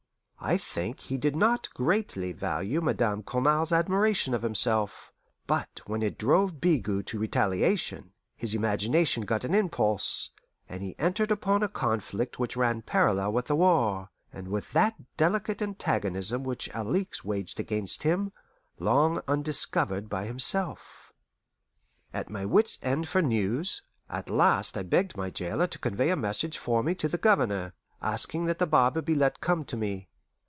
I think he did not greatly value Madame Cournal's admiration of himself; but when it drove Bigot to retaliation, his imagination got an impulse, and he entered upon a conflict which ran parallel with the war, and with that delicate antagonism which Alixe waged against him, long undiscovered by himself. At my wits' end for news, at last I begged my jailer to convey a message for me to the Governor, asking that the barber be let come to me.